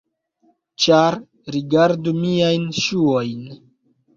Ĉar, rigardu miajn ŝuojn: